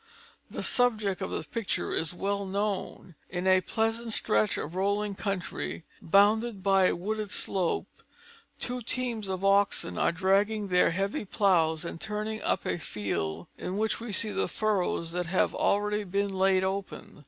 The subject of the picture is well known: in a pleasant stretch of rolling country, bounded by a wooded slope, two teams of oxen are dragging their heavy ploughs and turning up a field in which we see the furrows that have already been laid open.